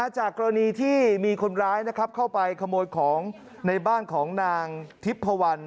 จากกรณีที่มีคนร้ายเข้าไปขโมยของในบ้านของนางทิพพวัน